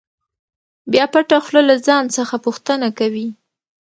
بیا پټه خوله له ځان څخه پوښتنه کوي.